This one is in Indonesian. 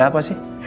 ada apa sih